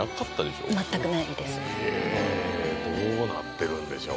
どうなってるんでしょう